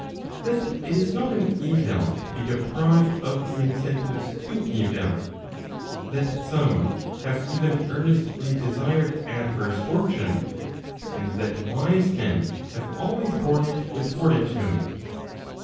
That it is not an evil to be deprived 1 of the incentives to evil; that some have even earnestly desired adverse \ fortune; and.that wise men have always borne it with fortitude.